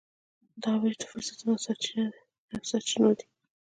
دا وېش د فرصتونو او سرچینو دی.